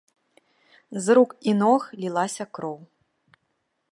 З рук і ног лілася кроў.